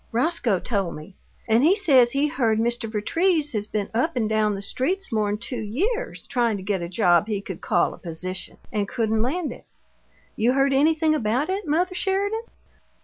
Roscoe told me, and he says he heard Mr. Vertrees has been up and down the streets more'n two years, tryin' to get a job he could call a 'position,' and couldn't land it. You heard anything about it, mother Sheridan?"